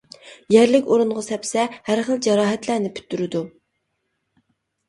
يەرلىك ئورۇنغا سەپسە ھەر خىل جاراھەتلەرنى پۈتتۈرىدۇ.